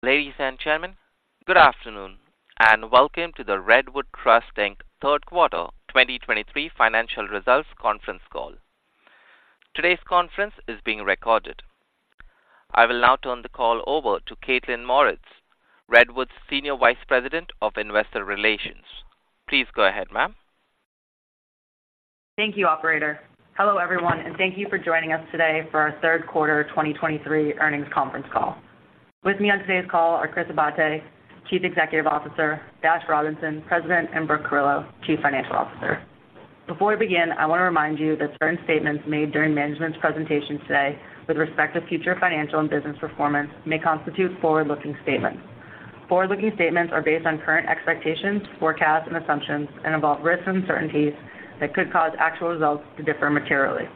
Ladies and gentlemen, good afternoon, and welcome to the Redwood Trust, Inc. third quarter 2023 financial results conference call. Today's conference is being recorded. I will now turn the call over to Kaitlyn Mauritz, Redwood's Senior Vice President of Investor Relations. Please go ahead, ma'am. Thank you, operator. Hello, everyone, and thank you for joining us today for our third quarter 2023 earnings conference call. With me on today's call are Chris Abate, Chief Executive Officer; Dash Robinson, President; and Brooke Carillo, Chief Financial Officer. Before we begin, I want to remind you that certain statements made during management's presentation today with respect to future financial and business performance may constitute forward-looking statements. Forward-looking statements are based on current expectations, forecasts, and assumptions and involve risks and uncertainties that could cause actual results to differ materially.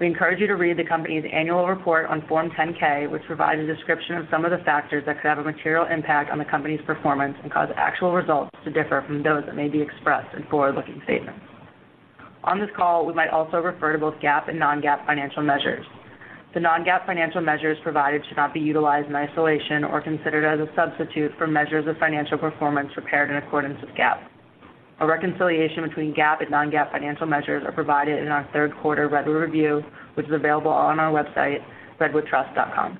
We encourage you to read the company's annual report on Form 10-K, which provides a description of some of the factors that could have a material impact on the company's performance and cause actual results to differ from those that may be expressed in forward-looking statements. On this call, we might also refer to both GAAP and non-GAAP financial measures. The non-GAAP financial measures provided should not be utilized in isolation or considered as a substitute for measures of financial performance prepared in accordance with GAAP. A reconciliation between GAAP and non-GAAP financial measures are provided in our third quarter Redwood Review, which is available on our website, redwoodtrust.com.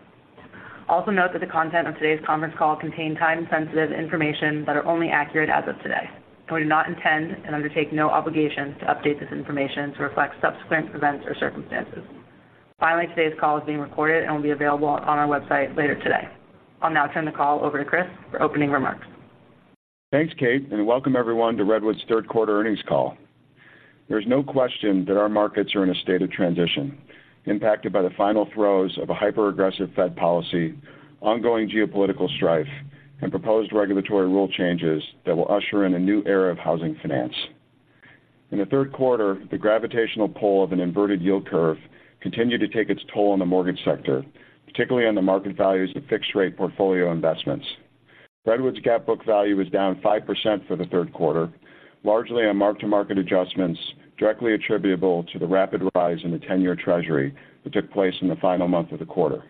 Also note that the content of today's conference call contain time-sensitive information that are only accurate as of today, and we do not intend and undertake no obligation to update this information to reflect subsequent events or circumstances. Finally, today's call is being recorded and will be available on our website later today. I'll now turn the call over to Chris for opening remarks. Thanks, Kate, and welcome everyone to Redwood's third quarter earnings call. There's no question that our markets are in a state of transition, impacted by the final throes of a hyper-aggressive Fed policy, ongoing geopolitical strife, and proposed regulatory rule changes that will usher in a new era of housing finance. In the third quarter, the gravitational pull of an inverted yield curve continued to take its toll on the mortgage sector, particularly on the market values of fixed-rate portfolio investments. Redwood's GAAP book value is down 5% for the third quarter, largely on mark-to-market adjustments directly attributable to the rapid rise in the 10-year Treasury that took place in the final month of the quarter.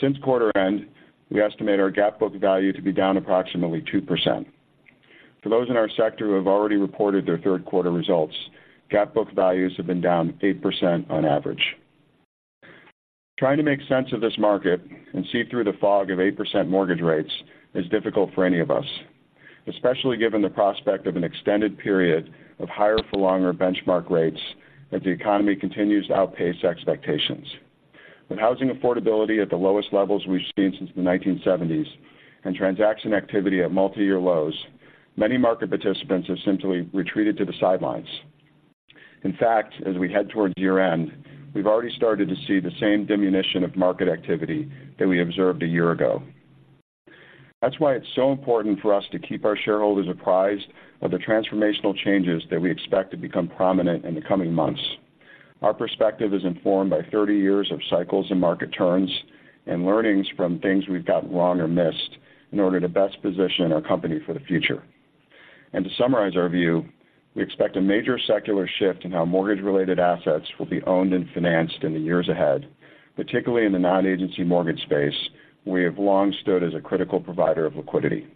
Since quarter end, we estimate our GAAP book value to be down approximately 2%. For those in our sector who have already reported their third quarter results, GAAP book values have been down 8% on average. Trying to make sense of this market and see through the fog of 8% mortgage rates is difficult for any of us, especially given the prospect of an extended period of higher-for-longer benchmark rates as the economy continues to outpace expectations. With housing affordability at the lowest levels we've seen since the 1970s, and transaction activity at multi-year lows, many market participants have simply retreated to the sidelines. In fact, as we head towards year-end, we've already started to see the same diminution of market activity that we observed a year ago. That's why it's so important for us to keep our shareholders apprised of the transformational changes that we expect to become prominent in the coming months. Our perspective is informed by 30 years of cycles and market turns and learnings from things we've gotten wrong or missed in order to best position our company for the future. To summarize our view, we expect a major secular shift in how mortgage-related assets will be owned and financed in the years ahead, particularly in the non-agency mortgage space. We have long stood as a critical provider of liquidity.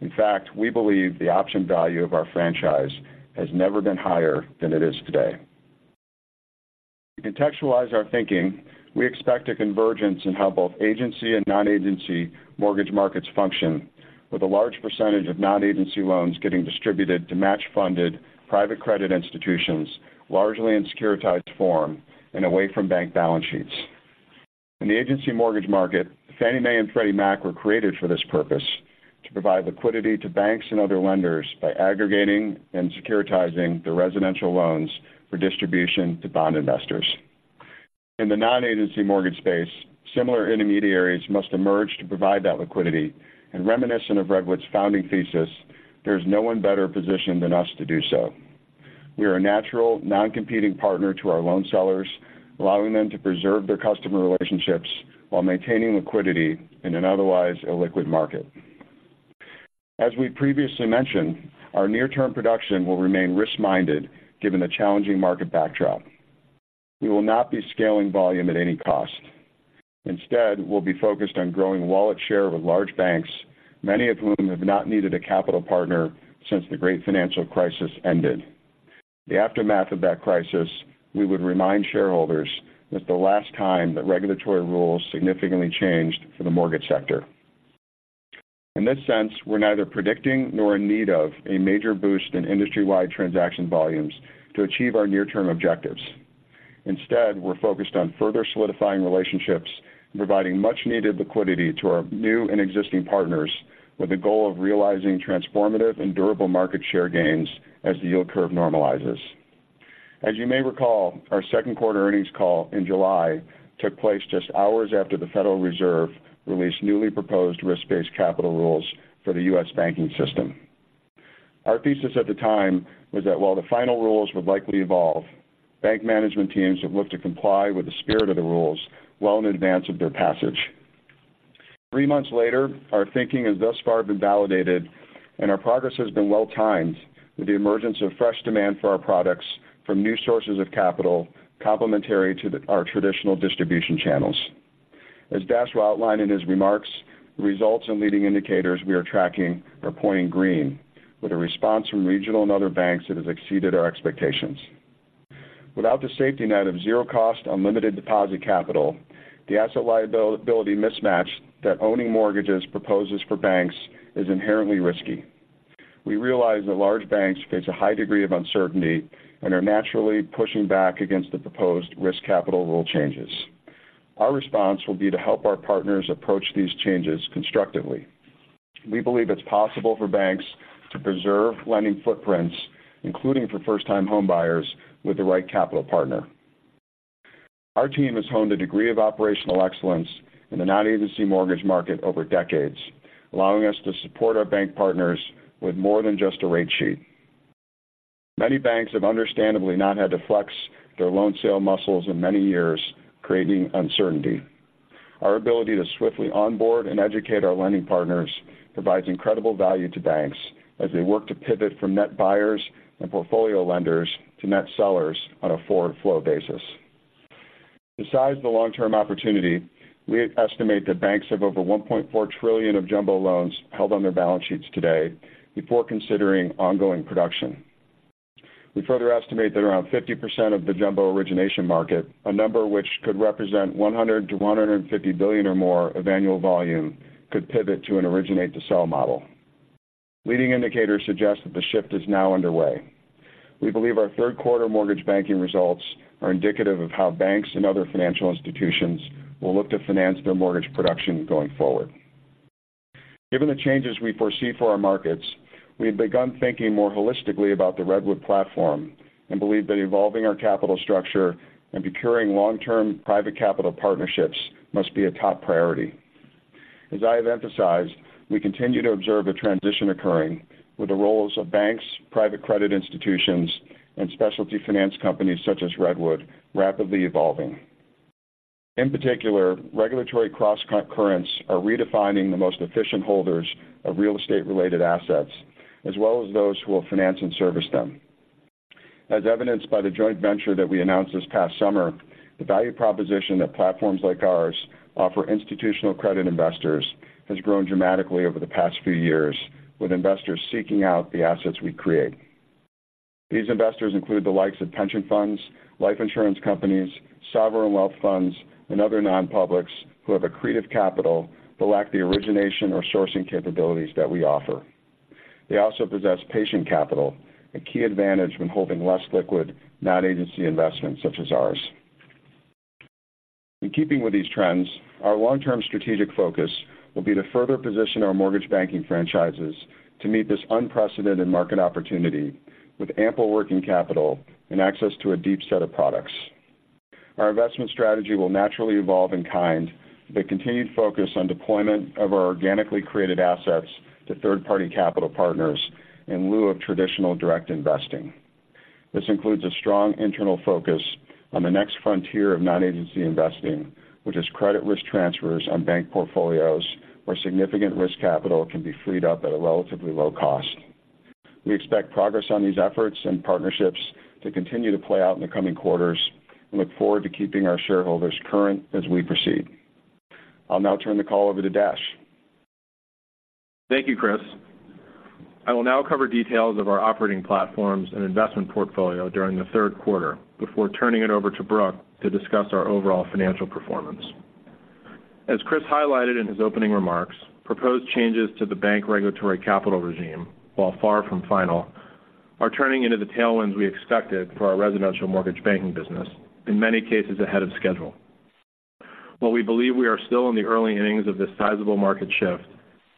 In fact, we believe the option value of our franchise has never been higher than it is today. To contextualize our thinking, we expect a convergence in how both agency and non-agency mortgage markets function, with a large percentage of non-agency loans getting distributed to match-funded private credit institutions, largely in securitized form and away from bank balance sheets. In the agency mortgage market, Fannie Mae and Freddie Mac were created for this purpose, to provide liquidity to banks and other lenders by aggregating and securitizing the residential loans for distribution to bond investors. In the non-agency mortgage space, similar intermediaries must emerge to provide that liquidity, and reminiscent of Redwood's founding thesis, there's no one better positioned than us to do so. We are a natural, non-competing partner to our loan sellers, allowing them to preserve their customer relationships while maintaining liquidity in an otherwise illiquid market. As we previously mentioned, our near-term production will remain risk-minded, given the challenging market backdrop. We will not be scaling volume at any cost. Instead, we'll be focused on growing wallet share with large banks, many of whom have not needed a capital partner since the great financial crisis ended. The aftermath of that crisis, we would remind shareholders, was the last time that regulatory rules significantly changed for the mortgage sector. In this sense, we're neither predicting nor in need of a major boost in industry-wide transaction volumes to achieve our near-term objectives. Instead, we're focused on further solidifying relationships and providing much-needed liquidity to our new and existing partners with the goal of realizing transformative and durable market share gains as the yield curve normalizes. As you may recall, our second quarter earnings call in July took place just hours after the Federal Reserve released newly proposed risk-based capital rules for the U.S. banking system. Our thesis at the time was that while the final rules would likely evolve, bank management teams have looked to comply with the spirit of the rules well in advance of their passage. Three months later, our thinking has thus far been validated, and our progress has been well-timed with the emergence of fresh demand for our products from new sources of capital, complementary to our traditional distribution channels. As Dash will outline in his remarks, the results and leading indicators we are tracking are pointing green, with a response from regional and other banks that has exceeded our expectations. Without the safety net of zero cost, unlimited deposit capital, the asset liability mismatch that owning mortgages proposes for banks is inherently risky. We realize that large banks face a high degree of uncertainty and are naturally pushing back against the proposed risk capital rule changes. Our response will be to help our partners approach these changes constructively. We believe it's possible for banks to preserve lending footprints, including for first-time homebuyers, with the right capital partner. Our team has honed a degree of operational excellence in the non-agency mortgage market over decades, allowing us to support our bank partners with more than just a rate sheet. Many banks have understandably not had to flex their loan sale muscles in many years, creating uncertainty. Our ability to swiftly onboard and educate our lending partners provides incredible value to banks as they work to pivot from net buyers and portfolio lenders to net sellers on a forward flow basis. Besides the long-term opportunity, we estimate that banks have over $1.4 trillion of jumbo loans held on their balance sheets today before considering ongoing production. We further estimate that around 50% of the jumbo origination market, a number which could represent $100 billion-$150 billion or more of annual volume, could pivot to an originate-to-sell model. Leading indicators suggest that the shift is now underway. We believe our third quarter mortgage banking results are indicative of how banks and other financial institutions will look to finance their mortgage production going forward. Given the changes we foresee for our markets, we have begun thinking more holistically about the Redwood platform and believe that evolving our capital structure and procuring long-term private capital partnerships must be a top priority. As I have emphasized, we continue to observe a transition occurring, with the roles of banks, private credit institutions, and specialty finance companies, such as Redwood, rapidly evolving. In particular, regulatory crosscurrents are redefining the most efficient holders of real estate-related assets, as well as those who will finance and service them. As evidenced by the joint venture that we announced this past summer, the value proposition that platforms like ours offer institutional credit investors has grown dramatically over the past few years, with investors seeking out the assets we create. These investors include the likes of pension funds, life insurance companies, sovereign wealth funds, and other nonpublics who have accretive capital, but lack the origination or sourcing capabilities that we offer. They also possess patient capital, a key advantage when holding less liquid, non-agency investments such as ours. In keeping with these trends, our long-term strategic focus will be to further position our mortgage banking franchises to meet this unprecedented market opportunity with ample working capital and access to a deep set of products. Our investment strategy will naturally evolve in kind, with a continued focus on deployment of our organically created assets to third-party capital partners in lieu of traditional direct investing. This includes a strong internal focus on the next frontier of non-agency investing, which is credit risk transfers on bank portfolios, where significant risk capital can be freed up at a relatively low cost. We expect progress on these efforts and partnerships to continue to play out in the coming quarters and look forward to keeping our shareholders current as we proceed. I'll now turn the call over to Dash. Thank you, Chris. I will now cover details of our operating platforms and investment portfolio during the third quarter before turning it over to Brooke to discuss our overall financial performance. As Chris highlighted in his opening remarks, proposed changes to the bank regulatory capital regime, while far from final, are turning into the tailwinds we expected for our residential mortgage banking business, in many cases ahead of schedule. While we believe we are still in the early innings of this sizable market shift,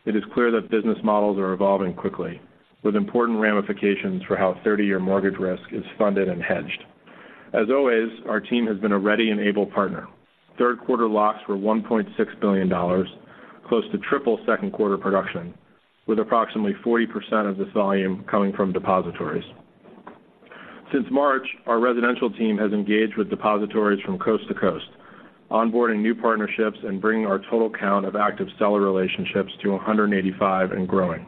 it is clear that business models are evolving quickly, with important ramifications for how thirty-year mortgage risk is funded and hedged. As always, our team has been a ready and able partner. Third quarter locks were $1.6 billion, close to triple second quarter production, with approximately 40% of this volume coming from depositories. Since March, our residential team has engaged with depositories from coast to coast, onboarding new partnerships and bringing our total count of active seller relationships to 185 and growing.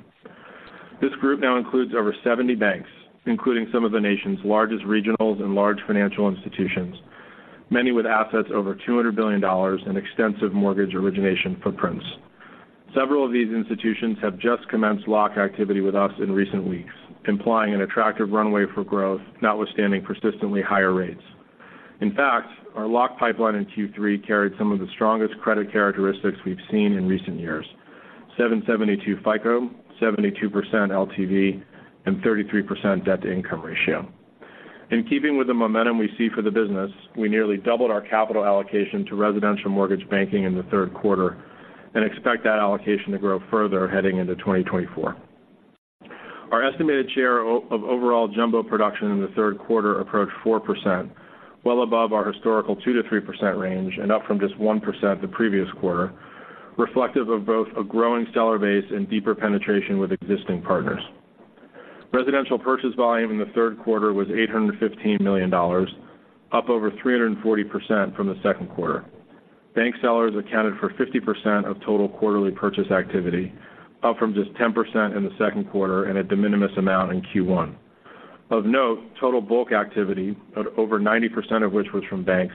This group now includes over 70 banks, including some of the nation's largest regionals and large financial institutions, many with assets over $200 billion and extensive mortgage origination footprints. Several of these institutions have just commenced lock activity with us in recent weeks, implying an attractive runway for growth, notwithstanding persistently higher rates. In fact, our lock pipeline in Q3 carried some of the strongest credit characteristics we've seen in recent years: 772 FICO, 72% LTV, and 33% debt-to-income ratio. In keeping with the momentum we see for the business, we nearly doubled our capital allocation to residential mortgage banking in the third quarter and expect that allocation to grow further heading into 2024. Our estimated share of overall jumbo production in the third quarter approached 4%, well above our historical 2%-3% range and up from just 1% the previous quarter, reflective of both a growing seller base and deeper penetration with existing partners. Residential purchase volume in the third quarter was $815 million, up over 340% from the second quarter. Bank sellers accounted for 50% of total quarterly purchase activity, up from just 10% in the second quarter and a de minimis amount in Q1. Of note, total bulk activity, at over 90% of which was from banks,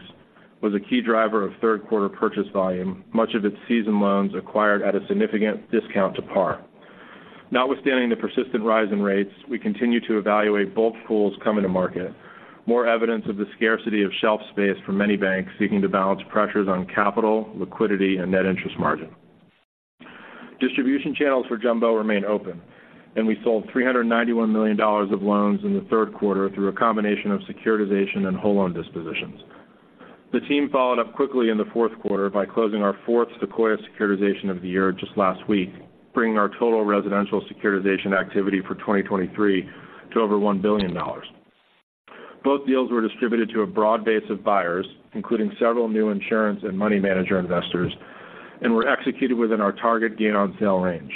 was a key driver of third quarter purchase volume, much of its seasoned loans acquired at a significant discount to par. Notwithstanding the persistent rise in rates, we continue to evaluate bulk pools coming to market, more evidence of the scarcity of shelf space for many banks seeking to balance pressures on capital, liquidity, and net interest margin. Distribution channels for jumbo remain open, and we sold $391 million of loans in the third quarter through a combination of securitization and whole loan dispositions. The team followed up quickly in the fourth quarter by closing our fourth Sequoia securitization of the year just last week, bringing our total residential securitization activity for 2023 to over $1 billion. Both deals were distributed to a broad base of buyers, including several new insurance and money manager investors, and were executed within our target gain on sale range.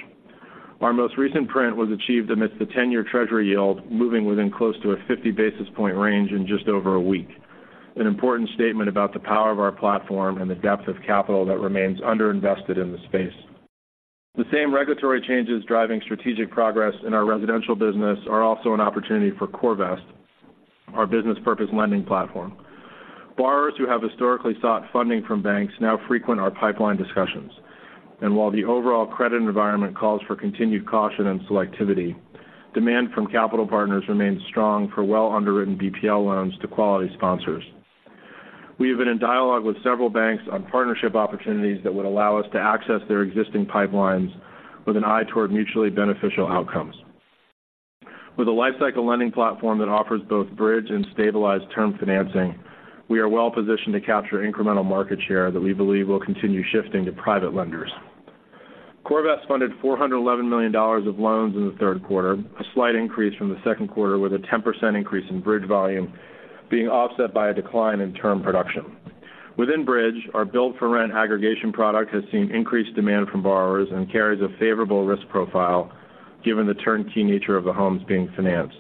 Our most recent print was achieved amidst the 10-year Treasury yield, moving within close to a 50 basis point range in just over a week. An important statement about the power of our platform and the depth of capital that remains underinvested in the space. The same regulatory changes driving strategic progress in our residential business are also an opportunity for CoreVest, our business purpose lending platform. Borrowers who have historically sought funding from banks now frequent our pipeline discussions, and while the overall credit environment calls for continued caution and selectivity, demand from capital partners remains strong for well underwritten BPL loans to quality sponsors. We have been in dialogue with several banks on partnership opportunities that would allow us to access their existing pipelines with an eye toward mutually beneficial outcomes. With a lifecycle lending platform that offers both bridge and stabilized term financing, we are well positioned to capture incremental market share that we believe will continue shifting to private lenders. CoreVest funded $411 million of loans in the third quarter, a slight increase from the second quarter, with a 10% increase in bridge volume being offset by a decline in term production. Within Bridge, our Build-for-Rent aggregation product has seen increased demand from borrowers and carries a favorable risk profile, given the turnkey nature of the homes being financed.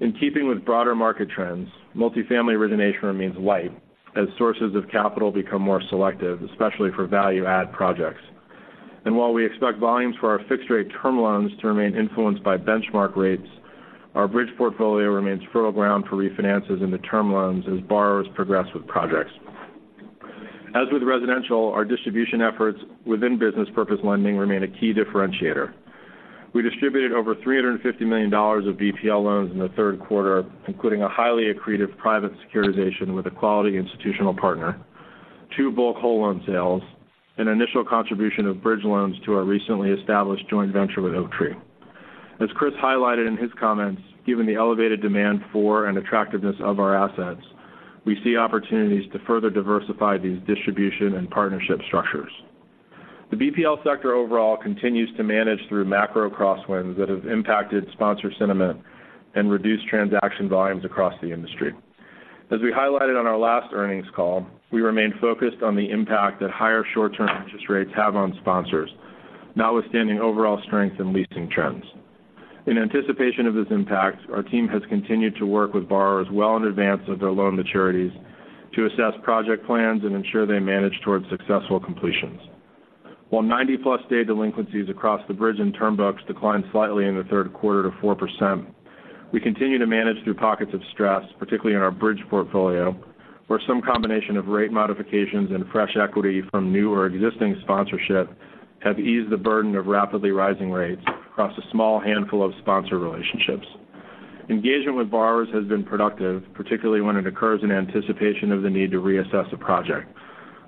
In keeping with broader market trends, multifamily origination remains light as sources of capital become more selective, especially for value-add projects. While we expect volumes for our fixed-rate term loans to remain influenced by benchmark rates, our bridge portfolio remains fertile ground for refinances in the term loans as borrowers progress with projects. As with residential, our distribution efforts within business purpose lending remain a key differentiator. We distributed over $350 million of BPL loans in the third quarter, including a highly accretive private securitization with a quality institutional partner, two bulk whole loan sales, an initial contribution of bridge loans to our recently established joint venture with Oaktree. As Chris highlighted in his comments, given the elevated demand for and attractiveness of our assets, we see opportunities to further diversify these distribution and partnership structures. The BPL sector overall continues to manage through macro crosswinds that have impacted sponsor sentiment and reduced transaction volumes across the industry. As we highlighted on our last earnings call, we remain focused on the impact that higher short-term interest rates have on sponsors, notwithstanding overall strength in leasing trends. In anticipation of this impact, our team has continued to work with borrowers well in advance of their loan maturities to assess project plans and ensure they manage towards successful completions. While 90-plus day delinquencies across the bridge and term books declined slightly in the third quarter to 4%, we continue to manage through pockets of stress, particularly in our bridge portfolio, where some combination of rate modifications and fresh equity from new or existing sponsorship have eased the burden of rapidly rising rates across a small handful of sponsor relationships. Engagement with borrowers has been productive, particularly when it occurs in anticipation of the need to reassess a project,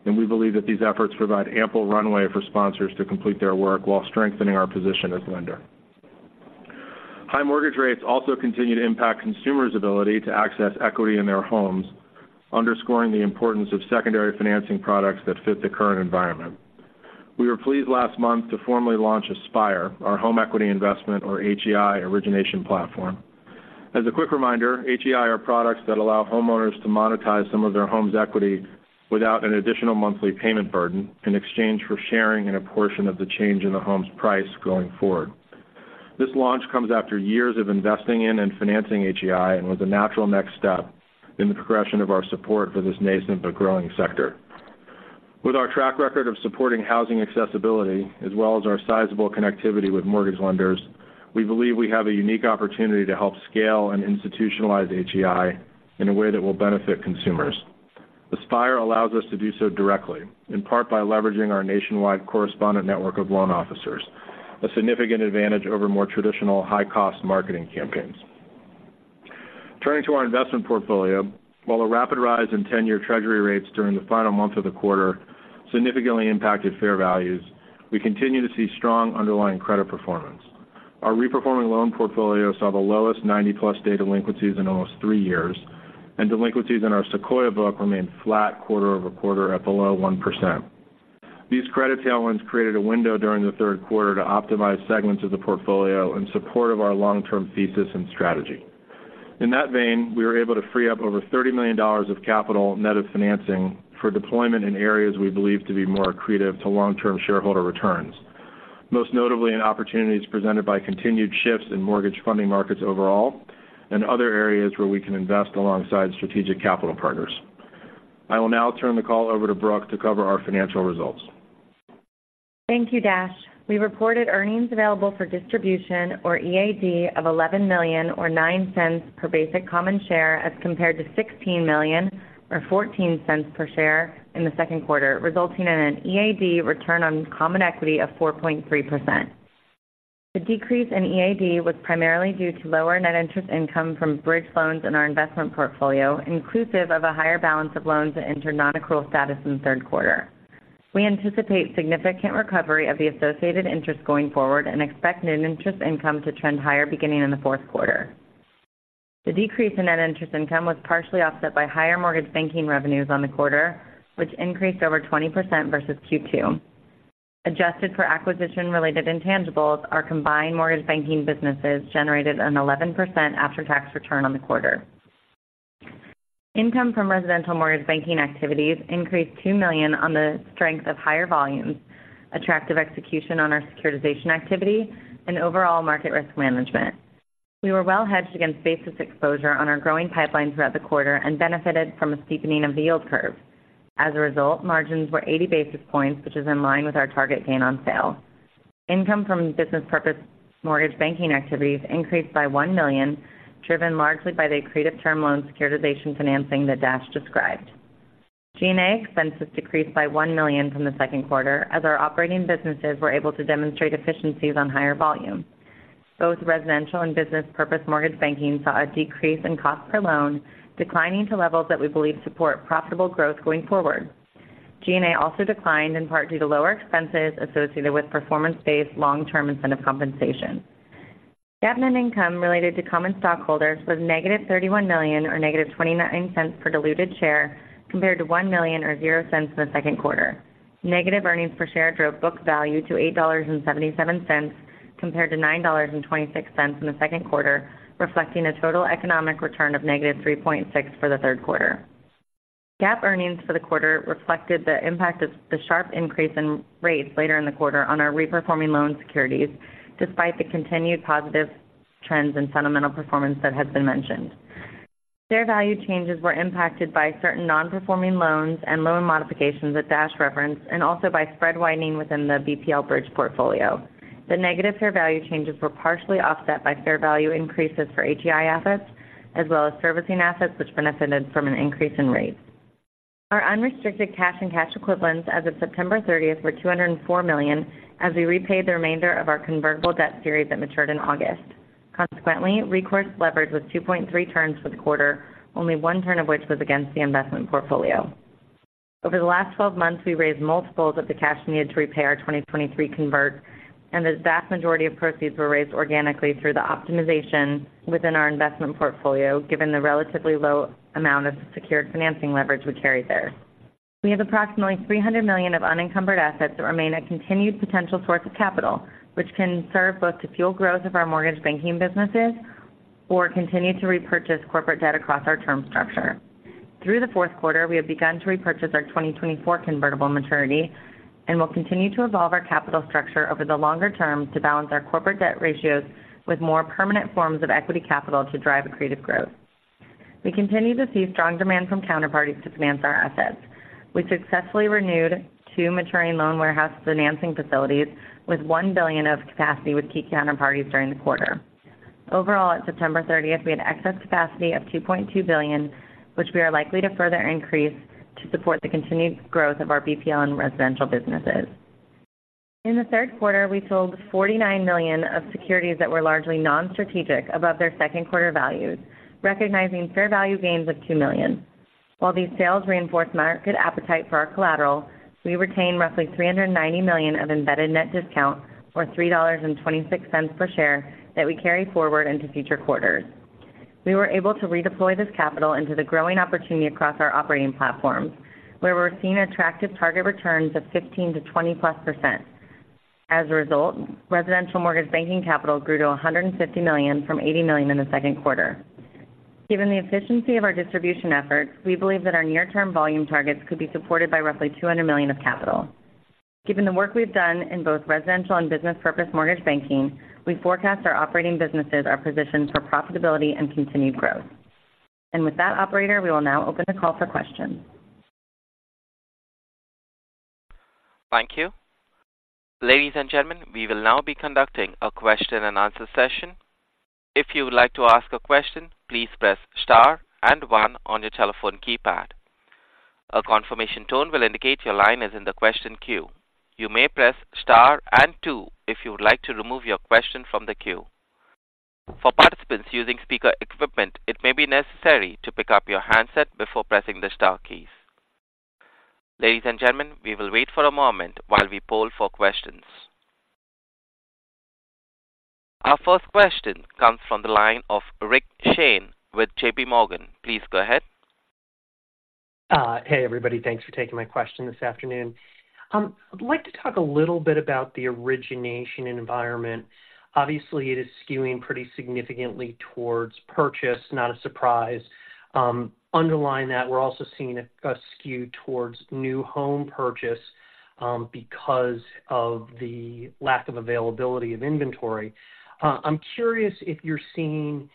and we believe that these efforts provide ample runway for sponsors to complete their work while strengthening our position as lender. High mortgage rates also continue to impact consumers' ability to access equity in their homes, underscoring the importance of secondary financing products that fit the current environment. We were pleased last month to formally launch Aspire, our home equity investment, or HEI, origination platform. As a quick reminder, HEI are products that allow homeowners to monetize some of their home's equity without an additional monthly payment burden in exchange for sharing in a portion of the change in the home's price going forward. This launch comes after years of investing in and financing HEI and was a natural next step in the progression of our support for this nascent but growing sector. With our track record of supporting housing accessibility, as well as our sizable connectivity with mortgage lenders, we believe we have a unique opportunity to help scale and institutionalize HEI in a way that will benefit consumers. Aspire allows us to do so directly, in part by leveraging our nationwide correspondent network of loan officers, a significant advantage over more traditional, high-cost marketing campaigns. Turning to our investment portfolio, while a rapid rise in 10-year Treasury rates during the final month of the quarter significantly impacted fair values, we continue to see strong underlying credit performance. Our reperforming loan portfolio saw the lowest 90+ day delinquencies in almost 3 years, and delinquencies in our Sequoia book remained flat quarter-over-quarter at below 1%. These credit tailwinds created a window during the third quarter to optimize segments of the portfolio in support of our long-term thesis and strategy. In that vein, we were able to free up over $30 million of capital net of financing for deployment in areas we believe to be more accretive to long-term shareholder returns, most notably in opportunities presented by continued shifts in mortgage funding markets overall and other areas where we can invest alongside strategic capital partners. I will now turn the call over to Brooke to cover our financial results. Thank you, Dash. We reported earnings available for distribution or EAD of $11 million or $0.09 per basic common share as compared to $16 million or $0.14 per share in the second quarter, resulting in an EAD return on common equity of 4.3%. The decrease in EAD was primarily due to lower net interest income from bridge loans in our investment portfolio, inclusive of a higher balance of loans that entered non-accrual status in the third quarter. We anticipate significant recovery of the associated interest going forward and expect net interest income to trend higher beginning in the fourth quarter. The decrease in net interest income was partially offset by higher mortgage banking revenues on the quarter, which increased over 20% versus Q2. Adjusted for acquisition-related intangibles, our combined mortgage banking businesses generated an 11% after-tax return on the quarter. Income from residential mortgage banking activities increased $2 million on the strength of higher volumes, attractive execution on our securitization activity, and overall market risk management. We were well hedged against basis exposure on our growing pipeline throughout the quarter and benefited from a steepening of the yield curve. As a result, margins were 80 basis points, which is in line with our target gain on sale. Income from business purpose mortgage banking activities increased by $1 million, driven largely by the accretive term loan securitization financing that Dash described. G&A expenses decreased by $1 million from the second quarter as our operating businesses were able to demonstrate efficiencies on higher volume. Both residential and business purpose mortgage banking saw a decrease in cost per loan, declining to levels that we believe support profitable growth going forward. G&A also declined in part due to lower expenses associated with performance-based long-term incentive compensation. GAAP net income related to common stockholders was -$31 million, or -$0.29 per diluted share, compared to $1 million or $0.00 in the second quarter. Negative earnings per share drove book value to $8.77, compared to $9.26 in the second quarter, reflecting a total economic return of -3.6% for the third quarter. GAAP earnings for the quarter reflected the impact of the sharp increase in rates later in the quarter on our reperforming loan securities, despite the continued positive trends and fundamental performance that has been mentioned. Share value changes were impacted by certain non-performing loans and loan modifications that Dash referenced and also by spread widening within the BPL bridge portfolio. The negative fair value changes were partially offset by fair value increases for HEI assets as well as servicing assets, which benefited from an increase in rates. Our unrestricted cash and cash equivalents as of September 30 were $204 million, as we repaid the remainder of our convertible debt series that matured in August. Consequently, recourse leverage was 2.3 turns for the quarter, only 1 turn of which was against the investment portfolio. Over the last 12 months, we raised multiples of the cash needed to repay our 2023 convert, and the vast majority of proceeds were raised organically through the optimization within our investment portfolio, given the relatively low amount of secured financing leverage we carried there. We have approximately $300 million of unencumbered assets that remain a continued potential source of capital, which can serve both to fuel growth of our mortgage banking businesses or continue to repurchase corporate debt across our term structure. Through the fourth quarter, we have begun to repurchase our 2024 convertible maturity and will continue to evolve our capital structure over the longer term to balance our corporate debt ratios with more permanent forms of equity capital to drive accretive growth. We continue to see strong demand from counterparties to finance our assets. We successfully renewed two maturing loan warehouse financing facilities with $1 billion of capacity with key counterparties during the quarter. Overall, at September 30, we had excess capacity of $2.2 billion, which we are likely to further increase to support the continued growth of our BPL and residential businesses. In the third quarter, we sold $49 million of securities that were largely non-strategic above their second-quarter values, recognizing fair value gains of $2 million. While these sales reinforce market appetite for our collateral, we retain roughly $390 million of embedded net discount, or $3.26 per share, that we carry forward into future quarters. We were able to redeploy this capital into the growing opportunity across our operating platforms, where we're seeing attractive target returns of 15%-20%+. As a result, residential mortgage banking capital grew to $150 million from $80 million in the second quarter. Given the efficiency of our distribution efforts, we believe that our near-term volume targets could be supported by roughly $200 million of capital. Given the work we've done in both residential and business purpose mortgage banking, we forecast our operating businesses are positioned for profitability and continued growth. With that, operator, we will now open the call for questions. Thank you. Ladies and gentlemen, we will now be conducting a question-and-answer session. If you would like to ask a question, please press * and One on your telephone keypad. A confirmation tone will indicate your line is in the question queue. You may press * and Two if you would like to remove your question from the queue. For participants using speaker equipment, it may be necessary to pick up your handset before pressing the * keys. Ladies and gentlemen, we will wait for a moment while we poll for questions. Our first question comes from the line of Rick Shane with JP Morgan. Please go ahead. Hey, everybody. Thanks for taking my question this afternoon. I'd like to talk a little bit about the origination environment. Obviously, it is skewing pretty significantly towards purchase, not a surprise. Underlying that, we're also seeing a skew towards new home purchase because of the lack of availability of inventory. I'm curious if you're seeing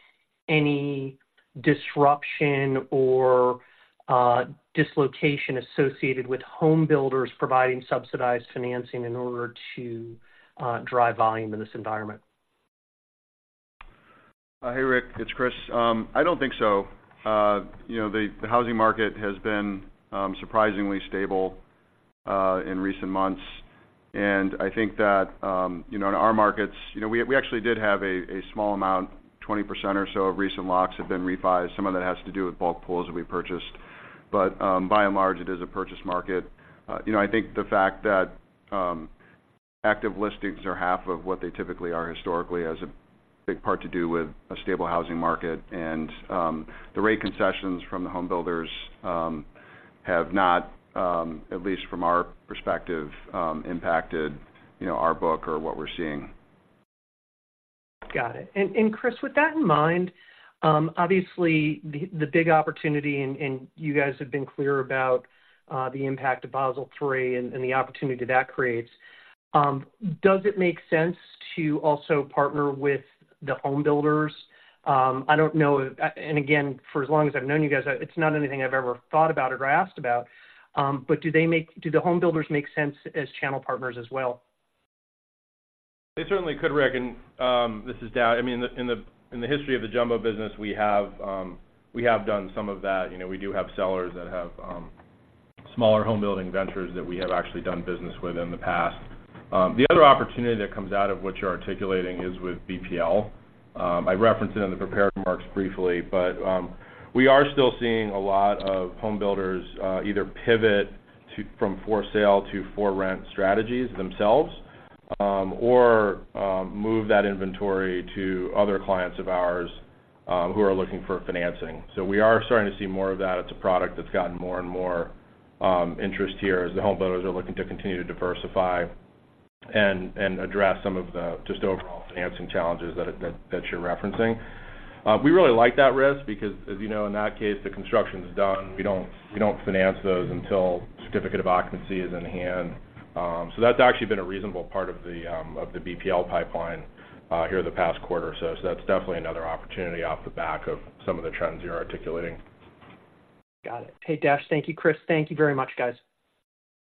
any disruption or dislocation associated with home builders providing subsidized financing in order to drive volume in this environment? Hey, Rick, it's Chris. I don't think so. You know, the housing market has been surprisingly stable in recent months. And I think that, you know, in our markets, you know, we actually did have a small amount, 20% or so of recent locks have been refinanced. Some of that has to do with bulk pools that we purchased, but by and large, it is a purchase market. You know, I think the fact that active listings are half of what they typically are historically has a big part to do with a stable housing market. The rate concessions from the home builders have not, at least from our perspective, impacted our book or what we're seeing. Got it. And Chris, with that in mind, obviously, the big opportunity, and you guys have been clear about the impact of Basel III and the opportunity that creates. Does it make sense to also partner with the home builders? I don't know, and again, for as long as I've known you guys, it's not anything I've ever thought about or asked about. But do the home builders make sense as channel partners as well? They certainly could, Rick, and, this is Dash. I mean, in the, in the history of the jumbo business, we have, we have done some of that. You know, we do have sellers that have, smaller home building ventures that we have actually done business with in the past. The other opportunity that comes out of what you're articulating is with BPL. I referenced it in the prepared remarks briefly, but, we are still seeing a lot of home builders, either pivot to, from for sale to for rent strategies themselves, or, move that inventory to other clients of ours, who are looking for financing. So we are starting to see more of that. It's a product that's gotten more and more interest here as the home builders are looking to continue to diversify and address some of the just overall financing challenges that you're referencing. We really like that risk because, as you know, in that case, the construction is done. We don't finance those until certificate of occupancy is in hand. So that's actually been a reasonable part of the BPL pipeline here the past quarter. So that's definitely another opportunity off the back of some of the trends you're articulating. Got it. Hey, Dash, thank you. Chris, thank you very much, guys.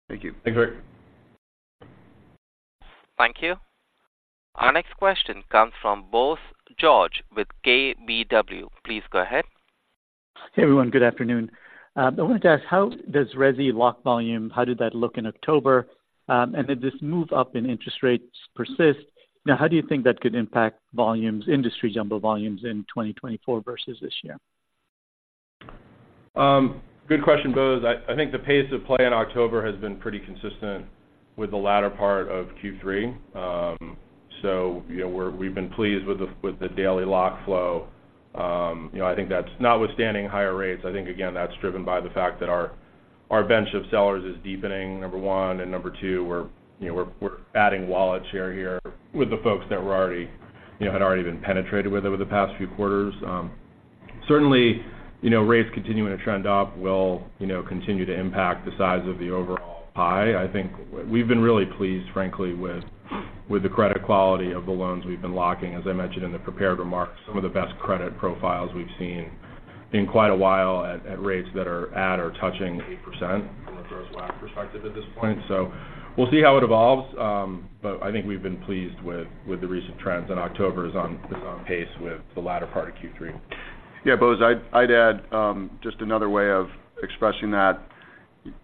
Thank you. Thanks, Rick. Thank you. Our next question comes from Bose George with KBW. Please go ahead. Hey, everyone, good afternoon. I wanted to ask, how does resi lock volume, how did that look in October? And did this move up in interest rates persist? Now, how do you think that could impact volumes, industry jumbo volumes in 2024 versus this year? Good question, Bose. I, I think the pace of play in October has been pretty consistent with the latter part of Q3. So you know, we've been pleased with the daily lock flow. You know, I think that's notwithstanding higher rates. I think again, that's driven by the fact that our bench of sellers is deepening, number one, and number two, we're adding wallet share here with the folks that were already, you know, had already been penetrated with over the past few quarters. Certainly, you know, rates continuing to trend up will continue to impact the size of the overall pie. I think we've been really pleased, frankly, with the credit quality of the loans we've been locking. As I mentioned in the prepared remarks, some of the best credit profiles we've seen in quite a while at rates that are at or touching 8% from a gross LTV perspective at this point. So we'll see how it evolves. But I think we've been pleased with the recent trends, and October is on pace with the latter part of Q3. Yeah, Bose, I'd add just another way of expressing that.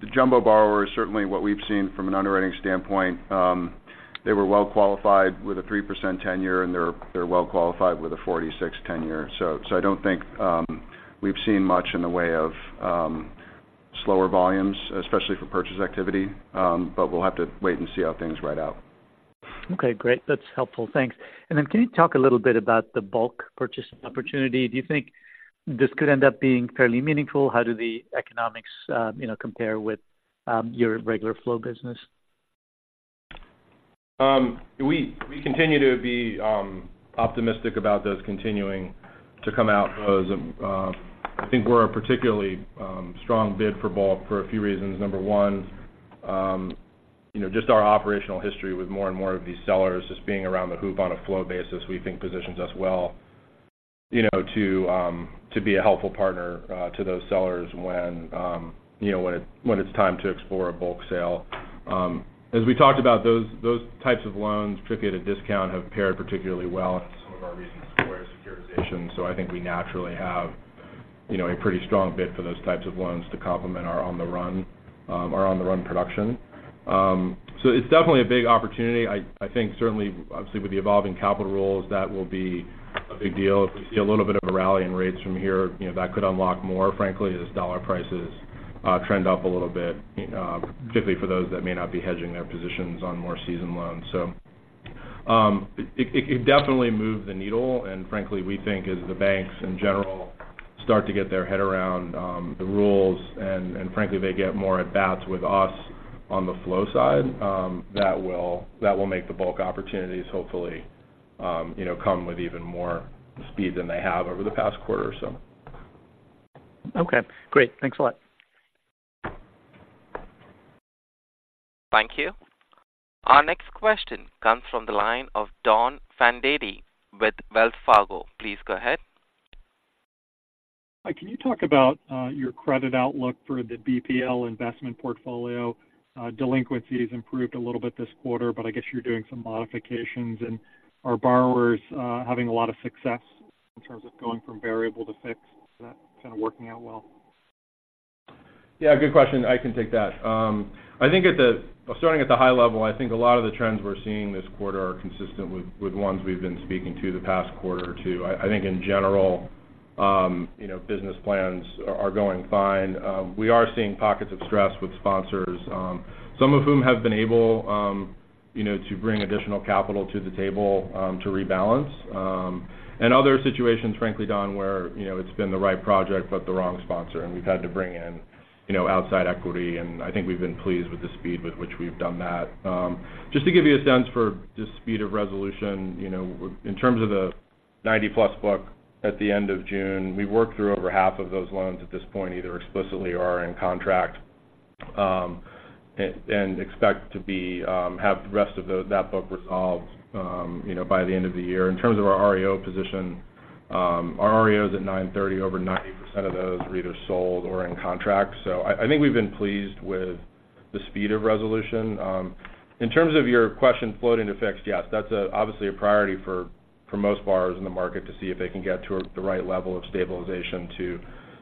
The jumbo borrower is certainly what we've seen from an underwriting standpoint. They were well qualified with a 3% tenure, and they're well qualified with a 46 tenure. So I don't think we've seen much in the way of slower volumes, especially for purchase activity, but we'll have to wait and see how things ride out. Okay, great. That's helpful. Thanks. And then, can you talk a little bit about the bulk purchase opportunity? Do you think this could end up being fairly meaningful? How do the economics, you know, compare with your regular flow business? We continue to be optimistic about those continuing to come out, Bose. I think we're a particularly strong bid for bulk for a few reasons. Number one, you know, just our operational history with more and more of these sellers just being around the hoop on a flow basis, we think positions us well, you know, to be a helpful partner to those sellers when, you know, when it's time to explore a bulk sale. As we talked about, those types of loans, particularly at a discount, have paired particularly well in some of our recent Sequoia securitizations. So I think we naturally have, you know, a pretty strong bid for those types of loans to complement our on the run, our on-the-run production. So it's definitely a big opportunity. I think certainly, obviously, with the evolving capital rules, that will be a big deal. If we see a little bit of a rally in rates from here, you know, that could unlock more, frankly, as dollar prices trend up a little bit, particularly for those that may not be hedging their positions on more seasoned loans. So, it definitely moved the needle, and frankly, we think as the banks in general start to get their head around the rules, and frankly, they get more at bats with us on the flow side, that will make the bulk opportunities, hopefully, you know, come with even more speed than they have over the past quarter or so. Okay, great. Thanks a lot. ... Thank you. Our next question comes from the line of Don Fandetti with Wells Fargo. Please go ahead. Hi, can you talk about your credit outlook for the BPL investment portfolio? Delinquency has improved a little bit this quarter, but I guess you're doing some modifications. Are borrowers having a lot of success in terms of going from variable to fixed? Is that kind of working out well? Yeah, good question. I can take that. Starting at the high level, I think a lot of the trends we're seeing this quarter are consistent with ones we've been speaking to the past quarter or two. I think in general, you know, business plans are going fine. We are seeing pockets of stress with sponsors, some of whom have been able, you know, to bring additional capital to the table to rebalance. And other situations, frankly, Don, where, you know, it's been the right project, but the wrong sponsor, and we've had to bring in, you know, outside equity, and I think we've been pleased with the speed with which we've done that. Just to give you a sense for the speed of resolution, you know, in terms of the 90+ book at the end of June, we worked through over half of those loans at this point, either explicitly or are in contract, and expect to be, have the rest of that book resolved, you know, by the end of the year. In terms of our REO position, our REO is at 9/30. Over 90% of those are either sold or in contract. So I think we've been pleased with the speed of resolution. In terms of your question, floating to fixed, yes, that's obviously a priority for most borrowers in the market to see if they can get to the right level of stabilization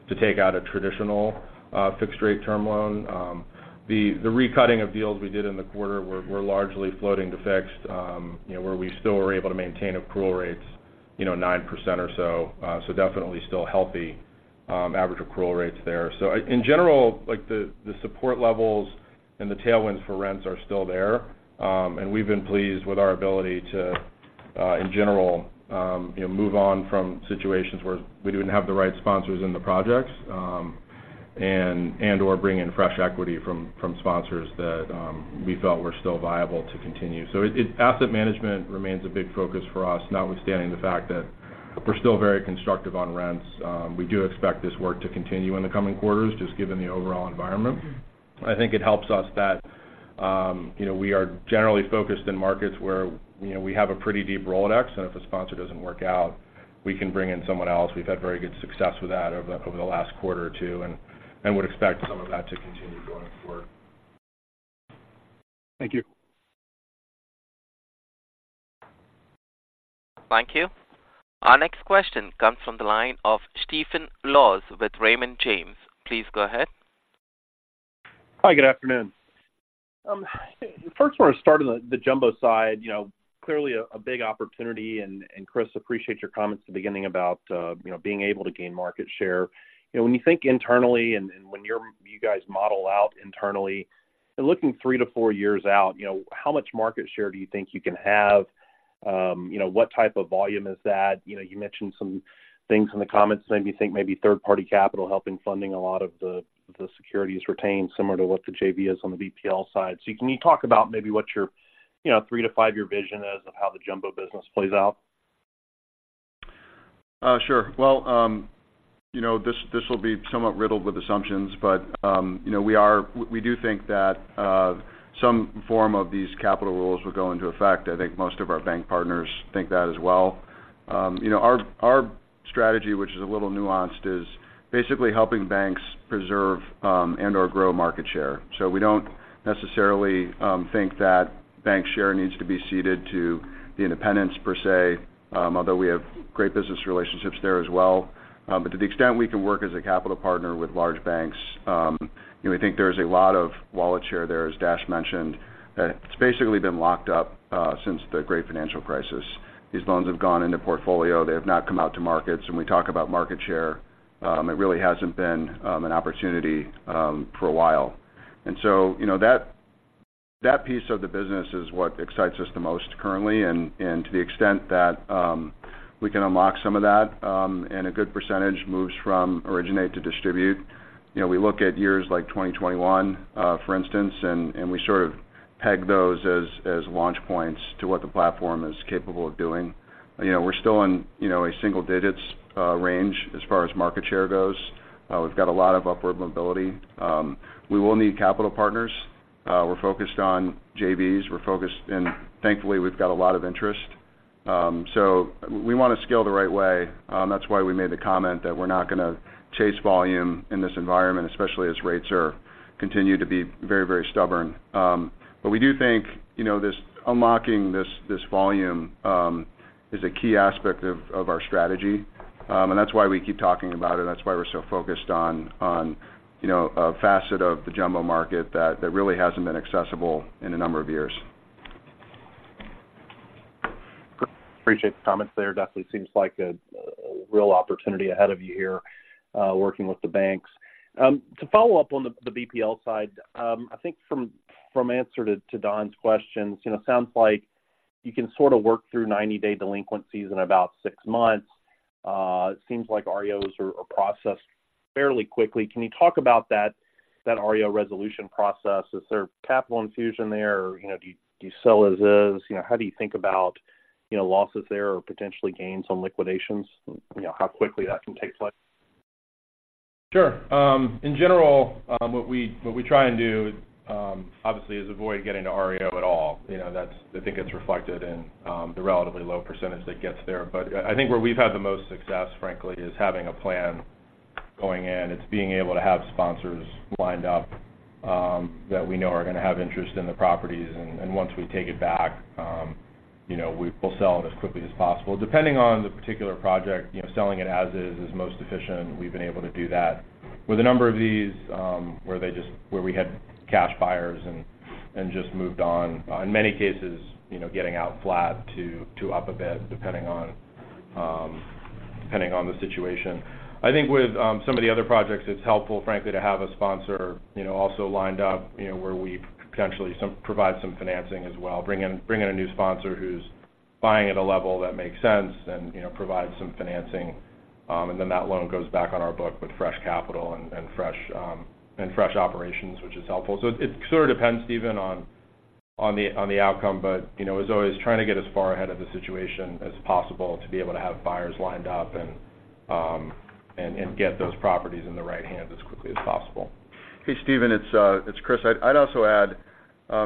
to take out a traditional fixed-rate term loan. The recutting of deals we did in the quarter were largely floating to fixed, you know, where we still were able to maintain accrual rates, you know, 9% or so. So definitely still healthy, average accrual rates there. So in general, like, the support levels and the tailwinds for rents are still there. And we've been pleased with our ability to, in general, you know, move on from situations where we didn't have the right sponsors in the projects, and/or bring in fresh equity from sponsors that we felt were still viable to continue. So it... Asset management remains a big focus for us, notwithstanding the fact that we're still very constructive on rents. We do expect this work to continue in the coming quarters, just given the overall environment. I think it helps us that, you know, we are generally focused in markets where, you know, we have a pretty deep Rolodex, and if a sponsor doesn't work out, we can bring in someone else. We've had very good success with that over the last quarter or two and would expect some of that to continue going forward. Thank you. Thank you. Our next question comes from the line of Stephen Laws, with Raymond James. Please go ahead. Hi, good afternoon. First I want to start on the jumbo side. You know, clearly a big opportunity, and Chris, appreciate your comments at the beginning about, you know, being able to gain market share. You know, when you think internally, and when you guys model out internally, and looking 3-4 years out, you know, how much market share do you think you can have? You know, what type of volume is that? You know, you mentioned some things in the comments, made me think maybe third-party capital helping funding a lot of the securities retained, similar to what the JV is on the BPL side. So can you talk about maybe what your, you know, 3-5-year vision is of how the jumbo business plays out? Sure. Well, you know, this will be somewhat riddled with assumptions, but, you know, we do think that some form of these capital rules will go into effect. I think most of our bank partners think that as well. You know, our strategy, which is a little nuanced, is basically helping banks preserve and/or grow market share. So we don't necessarily think that bank share needs to be ceded to the independents, per se, although we have great business relationships there as well. But to the extent we can work as a capital partner with large banks, you know, we think there's a lot of wallet share there, as Dash mentioned. It's basically been locked up since the Great Financial Crisis. These loans have gone into portfolio. They have not come out to markets. When we talk about market share, it really hasn't been an opportunity for a while. And so, you know, that, that piece of the business is what excites us the most currently, and, and to the extent that we can unlock some of that, and a good percentage moves from originate to distribute. You know, we look at years like 2021, for instance, and, and we sort of peg those as, as launch points to what the platform is capable of doing. You know, we're still in, you know, a single digits range as far as market share goes. We've got a lot of upward mobility. We will need capital partners. We're focused on JVs. We're focused in... Thankfully, we've got a lot of interest. So we want to scale the right way. That's why we made the comment that we're not gonna chase volume in this environment, especially as rates continue to be very, very stubborn. But we do think, you know, this unlocking this volume is a key aspect of our strategy, and that's why we keep talking about it. That's why we're so focused on, you know, a facet of the jumbo market that really hasn't been accessible in a number of years. Appreciate the comments there. Definitely seems like a real opportunity ahead of you here, working with the banks. To follow up on the BPL side, I think from answer to Don's questions, you know, sounds like you can sort of work through 90-day delinquencies in about 6 months. It seems like REOs are processed fairly quickly. Can you talk about that REO resolution process? Is there capital infusion there, or, you know, do you sell as is? You know, how do you think about losses there or potentially gains on liquidations, you know, how quickly that can take place?... Sure. In general, what we try and do, obviously, is avoid getting to REO at all. You know, that's, I think it's reflected in the relatively low percentage that gets there. But I think where we've had the most success, frankly, is having a plan going in. It's being able to have sponsors lined up that we know are gonna have interest in the properties. And once we take it back, you know, we will sell it as quickly as possible. Depending on the particular project, you know, selling it as is is most efficient. We've been able to do that. With a number of these, where we had cash buyers and just moved on, in many cases, you know, getting out flat to up a bit, depending on the situation. I think with some of the other projects, it's helpful, frankly, to have a sponsor, you know, also lined up, you know, where we potentially provide some financing as well. Bring in a new sponsor who's buying at a level that makes sense and, you know, provide some financing. And then that loan goes back on our book with fresh capital and fresh operations, which is helpful. So it sort of depends, Steven, on the outcome. You know, as always, trying to get as far ahead of the situation as possible, to be able to have buyers lined up and get those properties in the right hands as quickly as possible. Hey, Steven, it's Chris. I'd also add,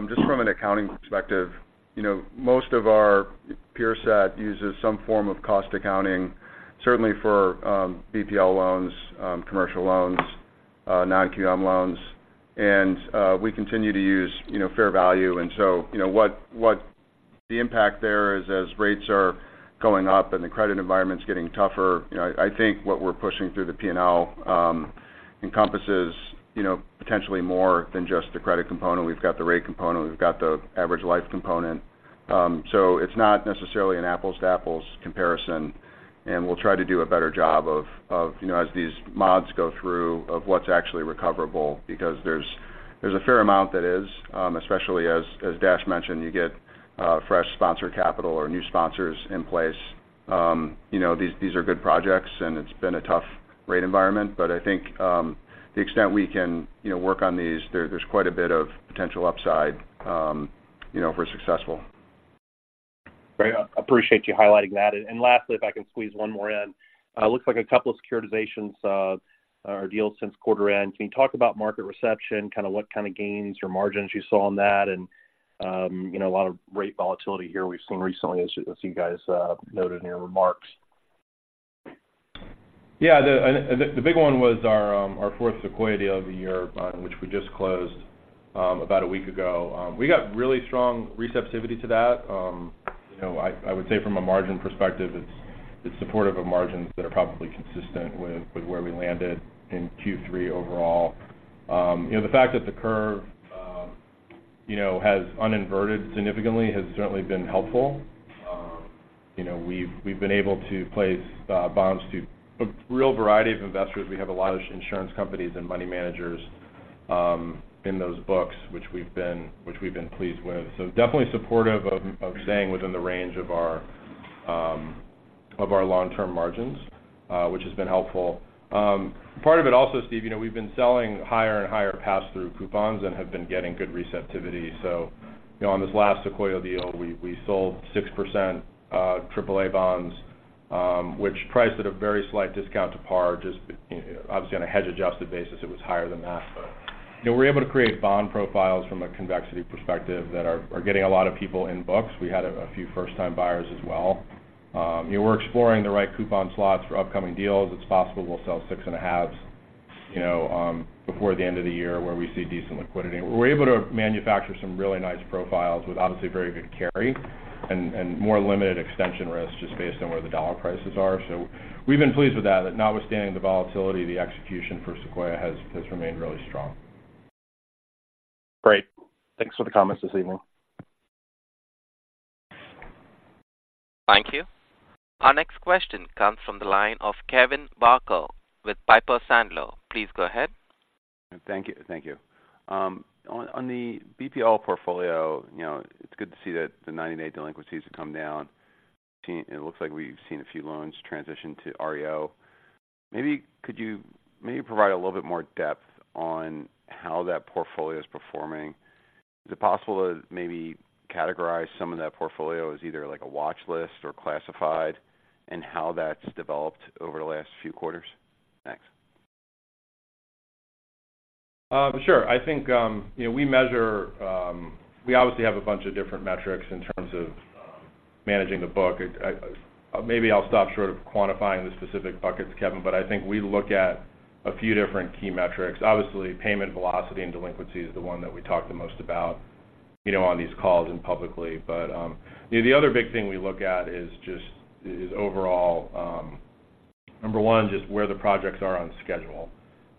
just from an accounting perspective, you know, most of our peer set uses some form of cost accounting, certainly for BPL loans, commercial loans, non-QM loans, and we continue to use, you know, fair value. So, you know, what the impact there is, as rates are going up and the credit environment's getting tougher, you know, I think what we're pushing through the P&L encompasses, you know, potentially more than just the credit component. We've got the rate component. We've got the average life component. So it's not necessarily an apples-to-apples comparison, and we'll try to do a better job of, you know, as these mods go through, of what's actually recoverable. Because there's a fair amount that is especially as Dash mentioned, you get fresh sponsor capital or new sponsors in place. You know, these are good projects, and it's been a tough rate environment, but I think the extent we can, you know, work on these, there's quite a bit of potential upside, you know, if we're successful. Great. I appreciate you highlighting that. And lastly, if I can squeeze one more in. It looks like a couple of securitizations or deals since quarter end. Can you talk about market reception, kind of what kind of gains or margins you saw on that? And, you know, a lot of rate volatility here we've seen recently, as you, as you guys, noted in your remarks. Yeah, and the big one was our fourth Sequoia deal of the year, which we just closed about a week ago. We got really strong receptivity to that. You know, I would say from a margin perspective, it's supportive of margins that are probably consistent with where we landed in Q3 overall. You know, the fact that the curve has uninverted significantly has certainly been helpful. You know, we've been able to place bonds to a real variety of investors. We have a lot of insurance companies and money managers in those books, which we've been pleased with. So definitely supportive of staying within the range of our long-term margins, which has been helpful. Part of it also, Steve, you know, we've been selling higher and higher pass-through coupons and have been getting good receptivity. So, you know, on this last Sequoia deal, we sold 6%, AAA bonds, which priced at a very slight discount to par, just, you know, obviously, on a hedge-adjusted basis, it was higher than that. But, you know, we're able to create bond profiles from a convexity perspective that are getting a lot of people in books. We had a few first-time buyers as well. You know, we're exploring the right coupon slots for upcoming deals. It's possible we'll sell 6.5s, you know, before the end of the year, where we see decent liquidity. We're able to manufacture some really nice profiles with, obviously, very good carry and more limited extension risk just based on where the dollar prices are. So we've been pleased with that notwithstanding the volatility, the execution for Sequoia has remained really strong. Great. Thanks for the comments this evening. Thank you. Our next question comes from the line of Kevin Barker with Piper Sandler. Please go ahead. Thank you, thank you. On the BPL portfolio, you know, it's good to see that the 90-day delinquencies have come down. It looks like we've seen a few loans transition to REO. Maybe could you maybe provide a little bit more depth on how that portfolio is performing? Is it possible to maybe categorize some of that portfolio as either, like, a watch list or classified, and how that's developed over the last few quarters? Thanks. Sure. I think, you know, we measure. We obviously have a bunch of different metrics in terms of, managing the book. I, maybe I'll stop short of quantifying the specific buckets, Kevin, but I think we look at a few different key metrics. Obviously, payment velocity and delinquency is the one that we talk the most about, you know, on these calls and publicly. But, you know, the other big thing we look at is just overall, number one, just where the projects are on schedule.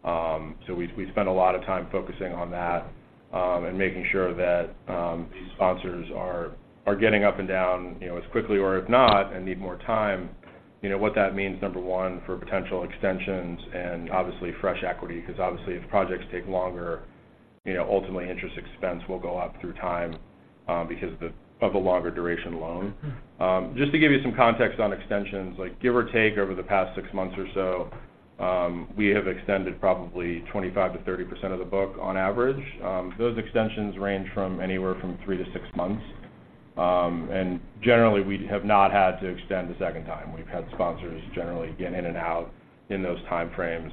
So we spend a lot of time focusing on that, and making sure that these sponsors are getting up and down, you know, as quickly or if not, and need more time, you know, what that means, number one, for potential extensions and obviously fresh equity, because obviously, if projects take longer, you know, ultimately interest expense will go up through time, because of the longer duration loan. Just to give you some context on extensions, like, give or take, over the past 6 months or so, we have extended probably 25%-30% of the book on average. Those extensions range from anywhere from 3-6 months. And generally, we have not had to extend a second time. We've had sponsors generally get in and out in those time frames.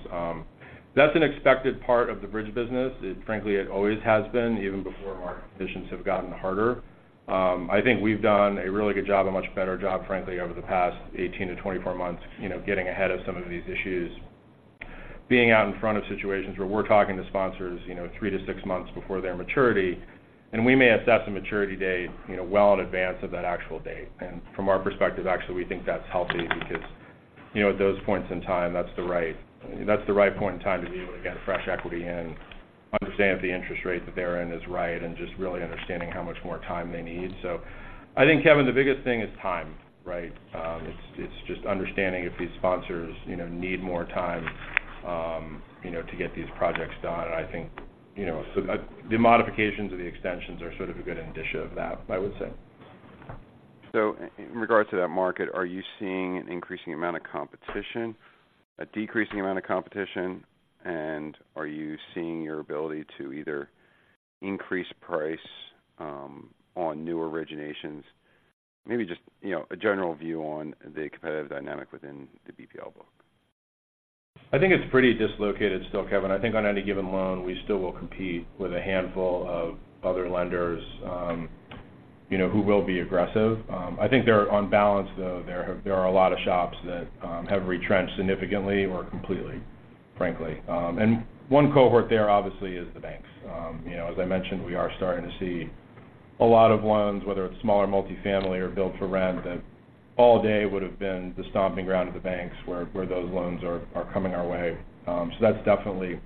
That's an expected part of the bridge business. It frankly, it always has been, even before market conditions have gotten harder. I think we've done a really good job, a much better job, frankly, over the past 18-24 months, you know, getting ahead of some of these issues. Being out in front of situations where we're talking to sponsors, you know, 3-6 months before their maturity, and we may assess the maturity date, you know, well in advance of that actual date. And from our perspective, actually, we think that's healthy because, you know, at those points in time, that's the right, that's the right point in time to be able to get fresh equity in, understand if the interest rate that they're in is right, and just really understanding how much more time they need. So I think, Kevin, the biggest thing is time, right? It's just understanding if these sponsors, you know, need more time, you know, to get these projects done. I think, you know, so the modifications of the extensions are sort of a good indicia of that, I would say. In regards to that market, are you seeing an increasing amount of competition, a decreasing amount of competition? Are you seeing your ability to either increase price on new originations? Maybe just, you know, a general view on the competitive dynamic within the BPL book. I think it's pretty dislocated still, Kevin. I think on any given loan, we still will compete with a handful of other lenders, you know, who will be aggressive. I think there are—on balance, though, there are a lot of shops that have retrenched significantly or completely, frankly. And one cohort there, obviously, is the banks. You know, as I mentioned, we are starting to see a lot of loans, whether it's smaller multifamily or build-for-rent, that all day would have been the stomping ground of the banks, where those loans are coming our way. So that's definitely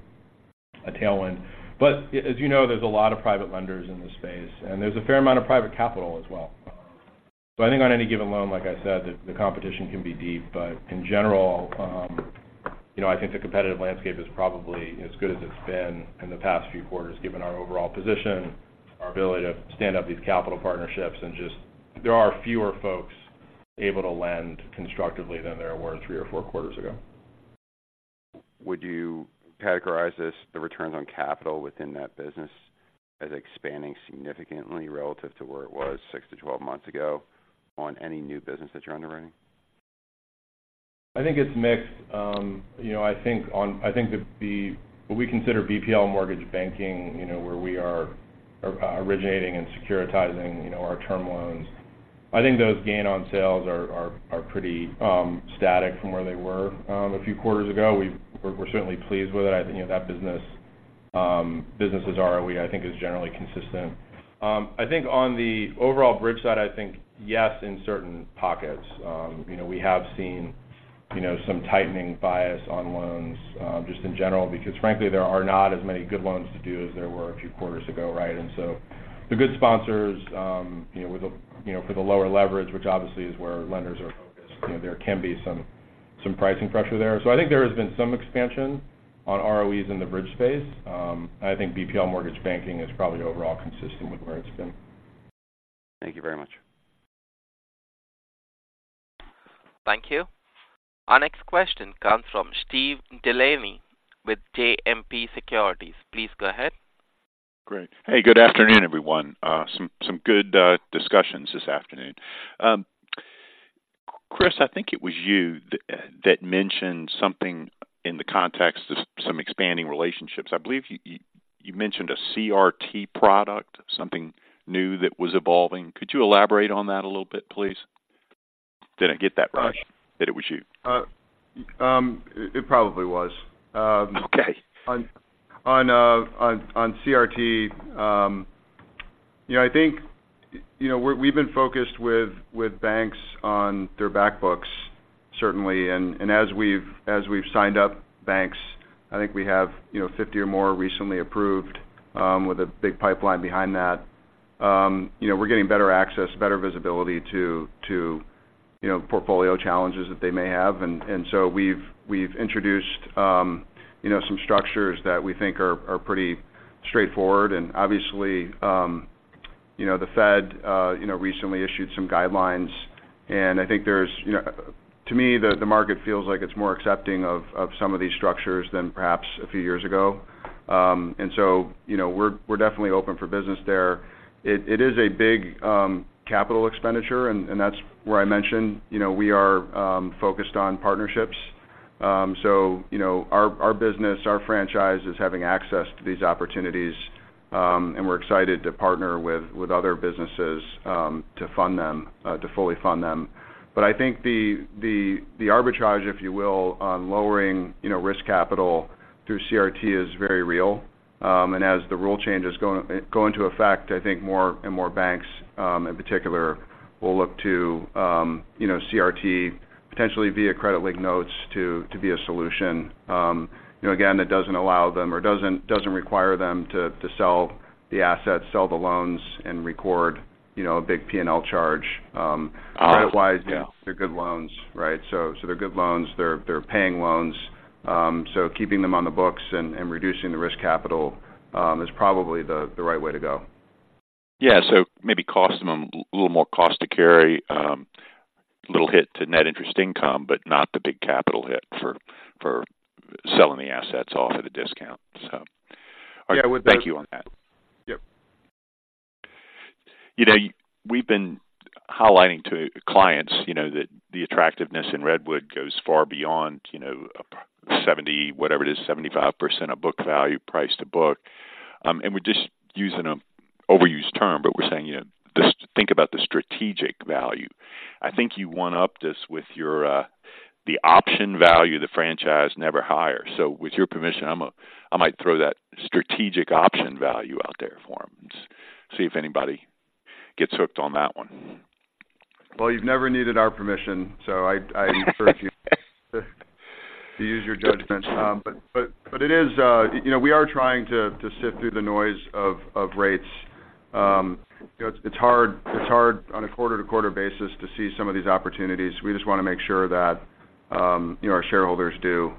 a tailwind. But as you know, there's a lot of private lenders in this space, and there's a fair amount of private capital as well. So I think on any given loan, like I said, the competition can be deep. But in general, you know, I think the competitive landscape is probably as good as it's been in the past few quarters, given our overall position, our ability to stand up these capital partnerships, and just there are fewer folks able to lend constructively than there were three or four quarters ago. Would you categorize this, the returns on capital within that business, as expanding significantly relative to where it was 6-12 months ago on any new business that you're underwriting? I think it's mixed. You know, I think on—I think that the, what we consider BPL mortgage banking, you know, where we are originating and securitizing, you know, our term loans, I think those gain on sales are pretty static from where they were a few quarters ago. We're certainly pleased with it. I think, you know, that business's ROE, I think, is generally consistent. I think on the overall bridge side, I think, yes, in certain pockets. You know, we have seen, you know, some tightening bias on loans just in general, because frankly, there are not as many good loans to do as there were a few quarters ago, right? And so the good sponsors, you know, with the, you know, for the lower leverage, which obviously is where lenders are focused, you know, there can be some pricing pressure there. So I think there has been some expansion on ROEs in the bridge space. I think BPL mortgage banking is probably overall consistent with where it's been. Thank you very much. Thank you. Our next question comes from Steve Delaney with JMP Securities. Please go ahead. Great. Hey, good afternoon, everyone. Some good discussions this afternoon. Chris, I think it was you that mentioned something in the context of some expanding relationships. I believe you mentioned a CRT product, something new that was evolving. Could you elaborate on that a little bit, please? Did I get that right, that it was you? It probably was. Okay On CRT, you know, I think, you know, we've been focused with banks on their back books, certainly. And as we've signed up banks, I think we have, you know, 50 or more recently approved, with a big pipeline behind that. You know, we're getting better access, better visibility to, you know, portfolio challenges that they may have. And so we've introduced, you know, some structures that we think are pretty straightforward. And obviously, you know, the Fed, you know, recently issued some guidelines, and I think there's, you know. To me, the market feels like it's more accepting of some of these structures than perhaps a few years ago. And so, you know, we're definitely open for business there. It is a big capital expenditure, and that's where I mentioned, you know, we are focused on partnerships. So, you know, our business, our franchise, is having access to these opportunities, and we're excited to partner with other businesses to fund them, to fully fund them. But I think the arbitrage, if you will, on lowering, you know, risk capital through CRT, is very real. And as the rule changes go into effect, I think more and more banks, in particular, will look to, you know, CRT, potentially via credit-linked notes, to be a solution. You know, again, that doesn't allow them or doesn't require them to sell the assets, sell the loans, and record, you know, a big P&L charge. Credit-wise- Yeah... they're good loans, right? So, they're good loans. They're paying loans. So keeping them on the books and reducing the risk capital is probably the right way to go. Yeah, so maybe costing them a little more cost to carry, a little hit to net interest income, but not the big capital hit for selling the assets off at a discount, so. Thank you on that. Yep. You know, we've been highlighting to clients, you know, that the attractiveness in Redwood goes far beyond, you know, 70, whatever it is, 75% of book value, price to book. And we're just using an overused term, but we're saying, you know, just think about the strategic value. I think you one-upped this with your, the option value of the franchise, never higher. So with your permission, I'm gonna, I might throw that strategic option value out there for them and see if anybody gets hooked on that one. Well, you've never needed our permission, so I encourage you to use your judgment. But it is, you know, we are trying to sift through the noise of rates. You know, it's hard on a quarter-to-quarter basis to see some of these opportunities. We just want to make sure that, you know, our shareholders do,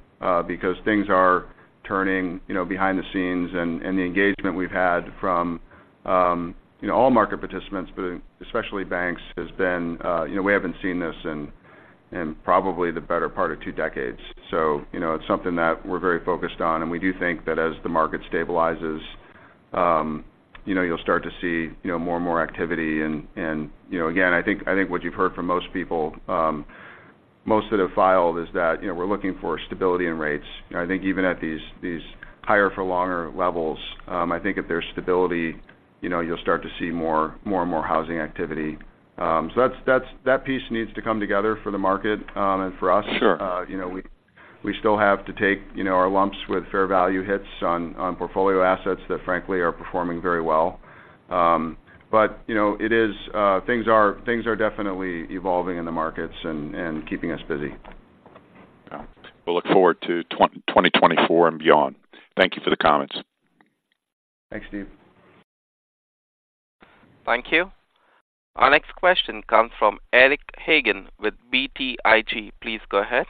because things are turning, you know, behind the scenes, and the engagement we've had from, you know, all market participants, but especially banks, has been... you know, we haven't seen this in probably the better part of two decades. So, you know, it's something that we're very focused on, and we do think that as the market stabilizes, you know, you'll start to see, you know, more and more activity. you know, again, I think I think what you've heard from most people, most that have filed is that, you know, we're looking for stability in rates. I think even at these higher-for-longer levels, I think if there's stability, you know, you'll start to see more, more and more housing activity. So that's that piece needs to come together for the market, and for us. Sure. You know, we still have to take, you know, our lumps with fair value hits on portfolio assets that, frankly, are performing very well. But, you know, things are definitely evolving in the markets and keeping us busy. Yeah. We'll look forward to 2024 and beyond. Thank you for the comments. Thanks, Steve. Thank you. Our next question comes from Eric Hagen with BTIG. Please go ahead.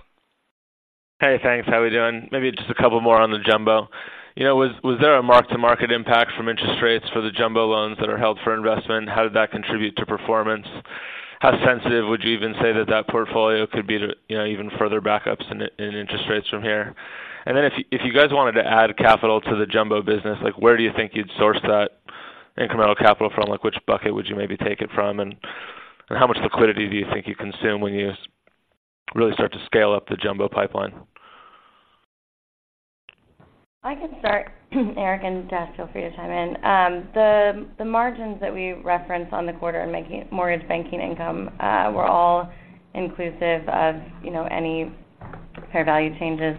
Hey, thanks. How are we doing? Maybe just a couple more on the jumbo. You know, was there a mark-to-market impact from interest rates for the jumbo loans that are held for investment? How did that contribute to performance? How sensitive would you even say that that portfolio could be to, you know, even further backups in interest rates from here? And then if you guys wanted to add capital to the jumbo business, like, where do you think you'd source that incremental capital from? Like, which bucket would you maybe take it from? And how much liquidity do you think you consume when you really start to scale up the jumbo pipeline? I can start, Eric, and Dash, feel free to chime in. The margins that we referenced on the quarter in making mortgage banking income were all inclusive of, you know, any fair value changes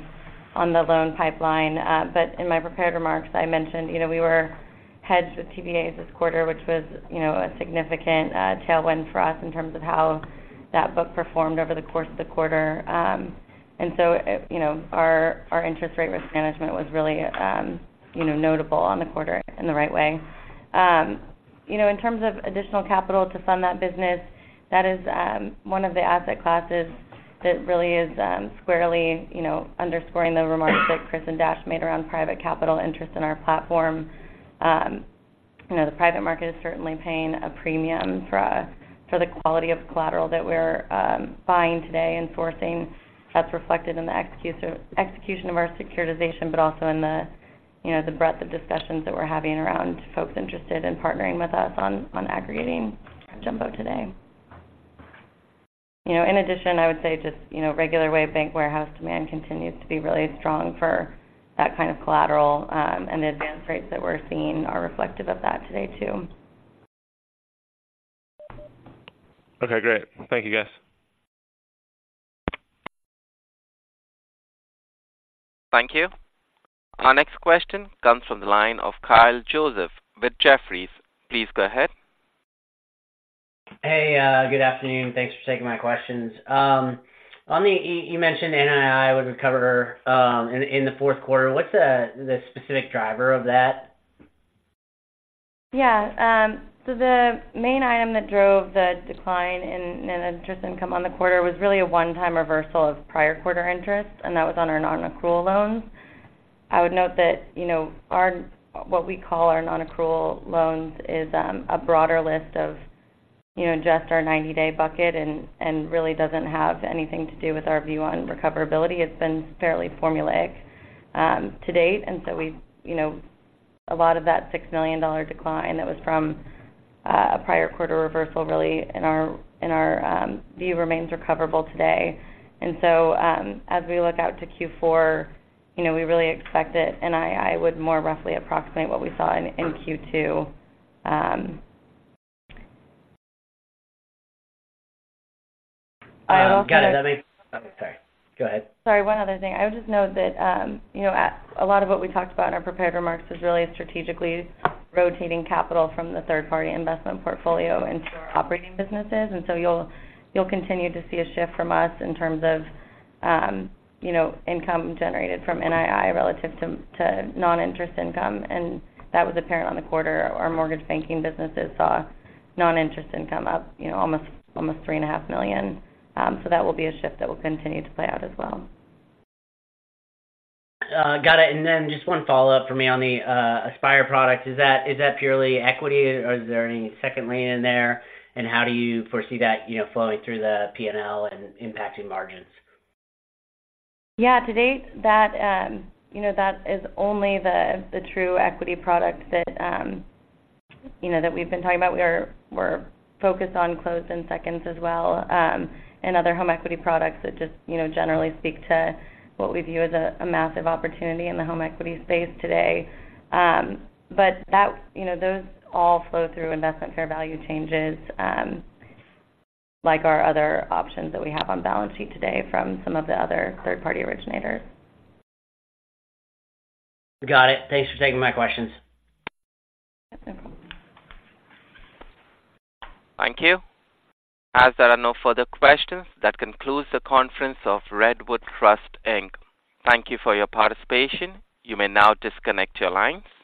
on the loan pipeline. But in my prepared remarks, I mentioned, you know, we were hedged with TBAs this quarter, which was, you know, a significant tailwind for us in terms of how that book performed over the course of the quarter. And so, you know, our interest rate risk management was really, you know, notable on the quarter in the right way. You know, in terms of additional capital to fund that business, that is one of the asset classes that really is squarely, you know, underscoring the remarks that Chris and Dash made around private capital interest in our platform. You know, the private market is certainly paying a premium for the quality of collateral that we're buying today and sourcing. That's reflected in the execution of our securitization, but also in the, you know, the breadth of discussions that we're having around folks interested in partnering with us on aggregating jumbo today. You know, in addition, I would say just, you know, regular way bank warehouse demand continues to be really strong for that kind of collateral, and the advance rates that we're seeing are reflective of that today, too. Okay, great. Thank you, guys. Thank you. Our next question comes from the line of Kyle Joseph with Jefferies. Please go ahead. Hey, good afternoon. Thanks for taking my questions. On the... you mentioned NII would recover in the fourth quarter. What's the specific driver of that? Yeah, so the main item that drove the decline in interest income on the quarter was really a one-time reversal of prior quarter interest, and that was on our nonaccrual loans. I would note that, you know, our, what we call our nonaccrual loans is a broader list of, you know, just our 90-day bucket and really doesn't have anything to do with our view on recoverability. It's been fairly formulaic to date, and so we've, you know, a lot of that $6 million decline that was from a prior quarter reversal really, in our view, remains recoverable today. And so, as we look out to Q4, you know, we really expect that NII would more roughly approximate what we saw in Q2. I will- Got it. I'm sorry. Go ahead. Sorry, one other thing. I would just note that, you know, at a lot of what we talked about in our prepared remarks is really strategically rotating capital from the third-party investment portfolio into our operating businesses. And so you'll continue to see a shift from us in terms of, you know, income generated from NII relative to non-interest income, and that was apparent on the quarter. Our mortgage banking businesses saw non-interest income up, you know, almost $3.5 million. So that will be a shift that will continue to play out as well. Got it. And then just one follow-up for me on the Aspire product. Is that, is that purely equity, or is there any second lien in there? And how do you foresee that, you know, flowing through the P&L and impacting margins? Yeah, to date, that, you know, that is only the true equity product that, you know, that we've been talking about. We are—we're focused on closed-end seconds as well, and other home equity products that just, you know, generally speak to what we view as a massive opportunity in the home equity space today. But that, you know, those all flow through investment fair value changes, like our other options that we have on balance sheet today from some of the other third-party originators. Got it. Thanks for taking my questions. No problem. Thank you. As there are no further questions, that concludes the conference of Redwood Trust, Inc. Thank you for your participation. You may now disconnect your lines.